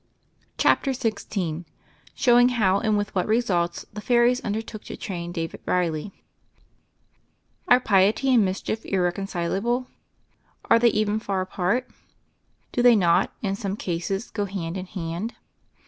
CHAPTER XVI SHOWING HOW AND WITH WHAT RESULTS THE FAIRIES UNDERTOOK TO TRAIN DAVID REILLY ARE piety and mischief irreconcilable? Are they even far apart ? Do they not, in some cases, go hand in hand?